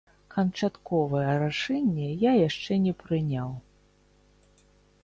Канчатковае рашэнне я яшчэ не прыняў.